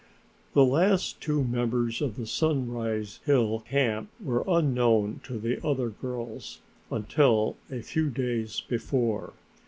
The last two members of the Sunrise Hill camp were unknown to the other girls until a few days before.